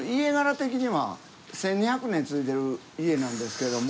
てきには１，２００年つづいてる家なんですけれども。